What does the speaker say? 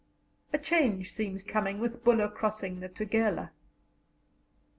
A change seems coming with Buller crossing the Tulega.